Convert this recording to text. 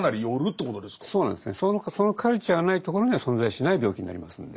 そのカルチャーがないところには存在しない病気になりますので。